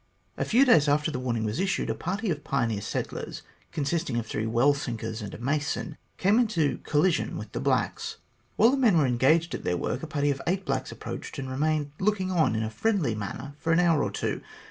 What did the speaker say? A few days after the warning was issued, a party of the pioneer settlers, con sisting of three well sinkers and a mason, came into colli sion with the blacks. While the men were engaged at their work, a party of eight blacks approached, and remained look ing on in a friendly manner for an hour or two.